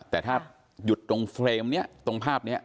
แต่ถ้าหยุดตรงเฟรมนี้ตรงภาพนี้